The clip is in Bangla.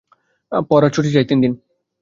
পড়ার ছুটি চাই তিন দিন।